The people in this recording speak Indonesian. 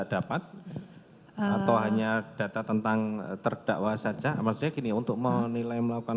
dapat atau hanya data tentang terdakwa saja maksudnya gini untuk menilai melakukan